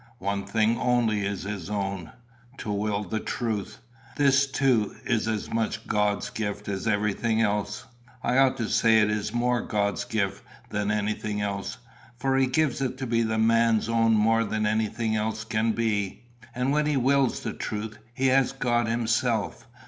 One thing only is his own to will the truth. This, too, is as much God's gift as everything else: I ought to say is more God's gift than anything else, for he gives it to be the man's own more than anything else can be. And when he wills the truth, he has God himself.